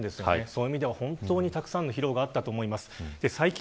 そういう意味では本当にたくさんの疲労があったと思います。